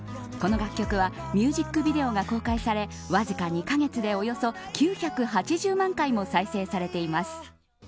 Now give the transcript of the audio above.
この楽曲はミュージックビデオが公開されわずか２カ月で、およそ９８０万回も再生されています。